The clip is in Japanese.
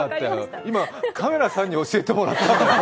今カメラさんに教えてもらった。